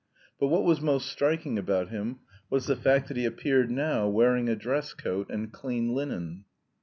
But what was most striking about him was the fact that he appeared now wearing a dress coat and clean linen.